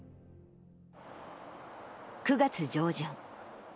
９月上旬。